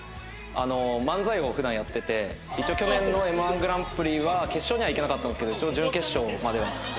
あの漫才を普段やってて一応去年のＭ−１グランプリは決勝にはいけなかったんですけど一応準決勝までは進めて。